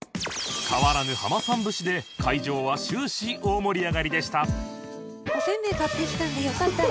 変わらぬハマさん節で会場は終始大盛り上がりでした